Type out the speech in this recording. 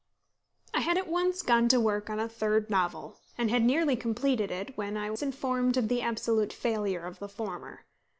I had at once gone to work on a third novel, and had nearly completed it, when I was informed of the absolute failure of the former.